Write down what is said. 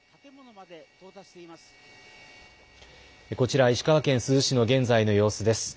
こちら、石川県珠洲市の現在の様子です。